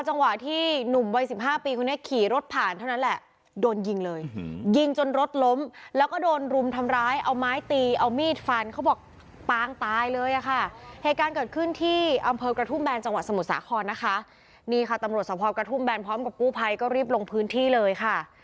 นี่ค่ะตำรวจสภพกระทุ่มแบรนด์พร้อมกับปู้ภัยก็รีบลงพื้นที่เลยค่ะ